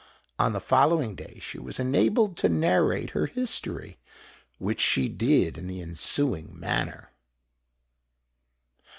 On the following day she was enabled to narrate her history, which she did in the ensuing manner.